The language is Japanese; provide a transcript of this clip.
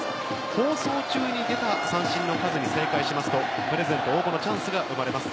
放送中に出た三振の数に正解するとプレゼント応募のチャンスが生まれます。